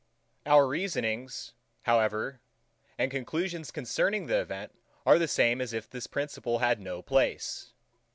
Our reasonings, however, and conclusions concerning the event are the same as if this principle had no place.